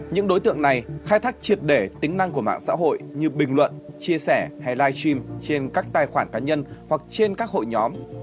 những đối tượng này khai thác triệt để tính năng của mạng xã hội như bình luận chia sẻ hay live stream trên các tài khoản cá nhân hoặc trên các hội nhóm